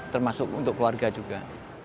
termasuk untuk keluarga juga